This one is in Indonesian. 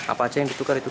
apa aja yang ditukar itu